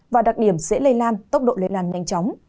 và đặc điểm dễ lây lan tốc độ lây lan nhanh chóng